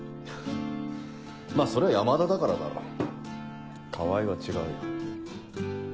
まぁそれは山田だからだろ川合は違うよ。